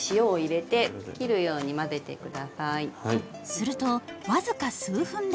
すると僅か数分で。